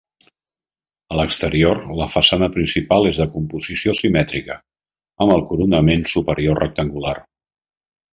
A l'exterior, la façana principal és de composició simètrica, amb el coronament superior rectangular.